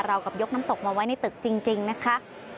เรากับยกน้ำตกมาไว้ในตึกจริงนะคะ